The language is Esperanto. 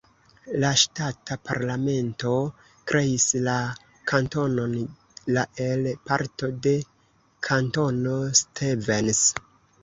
La ŝtata parlamento kreis la kantonon la el parto de Kantono Stevens.